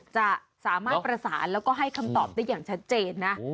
จะสามารถประสานแล้วก็ให้คำตอบได้อย่างชัดเจนนะ